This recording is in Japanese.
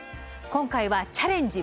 今回は「チャレンジ！